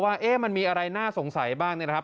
ว่ามันมีอะไรน่าสงสัยบ้างเนี่ยนะครับ